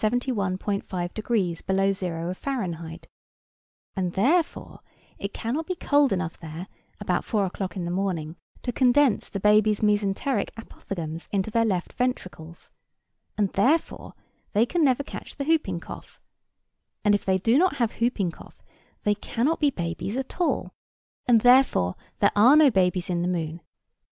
5° below zero of Fahrenheit: and, therefore, it cannot be cold enough there about four o'clock in the morning to condense the babies' mesenteric apophthegms into their left ventricles; and, therefore, they can never catch the hooping cough; and if they do not have hooping cough, they cannot be babies at all; and, therefore, there are no babies in the moon.